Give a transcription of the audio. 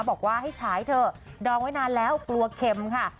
บอกว่าให้ฉายเถอะดองไว้นานแล้วกลัวเข็มค่ะ